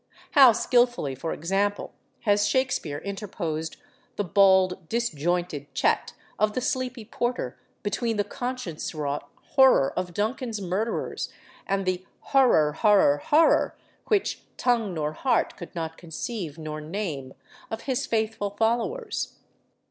How skilfully, for example, has Shakespeare interposed the 'bald, disjointed chat' of the sleepy porter between the conscience wrought horror of Duncan's murderers and the 'horror, horror, horror' which 'tongue nor heart could not conceive nor name' of his faithful followers.